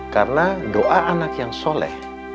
karena doa anak yang soleh